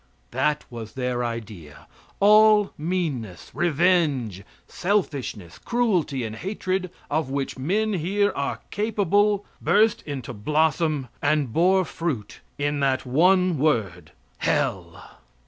That was their idea. All meanness, revenge, selfishness, cruelty, and hatred of which men here are capable burst into blossom and bore fruit in that one word, "Hell."